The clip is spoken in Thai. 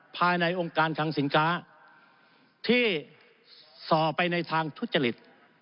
ภายในองค์การคังสินค้าที่ส่อไปในทางทุจริต